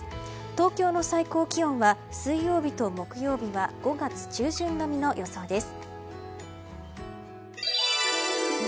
東京の最高気温は水曜日と木曜日は５月中旬並みの予想です。